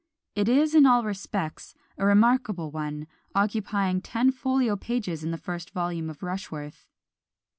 It is in all respects a remarkable one, occupying ten folio pages in the first volume of Rushworth.